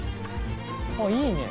あっいいね。